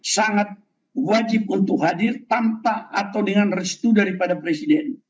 sangat wajib untuk hadir tanpa atau dengan restu daripada presiden